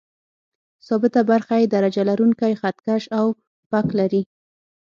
ثابته برخه یې درجه لرونکی خط کش او فک لري.